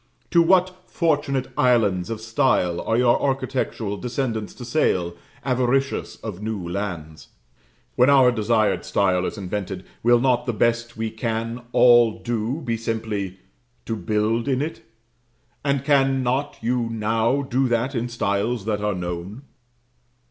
to what fortunate islands of style are your architectural descendants to sail, avaricious of new lands? When our desired style is invented, will not the best we can all do be simply to build in it? and cannot you now do that in styles that are known?